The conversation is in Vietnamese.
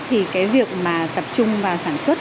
thì cái việc mà tập trung và sản xuất